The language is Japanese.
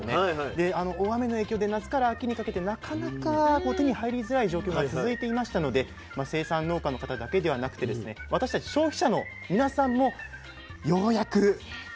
であの大雨の影響で夏から秋にかけてなかなか手に入りづらい状況が続いていましたので生産農家の方だけではなくてですね私たち消費者の皆さんもようやく。